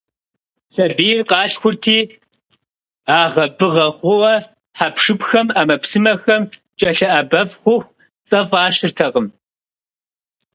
Сабийр къалъхурти, агъэ-быгъэ хъууэ хьэпшыпхэм, Ӏэмэпсымэхэм кӀэлъыӀэбэф хъуху, цӀэ фӀащыртэкъым.